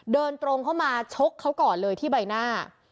เดินตรงเข้ามาชกเขาก่อนเลยที่ใบหน้า